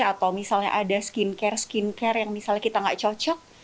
atau misalnya ada skincare skincare yang misalnya kita nggak cocok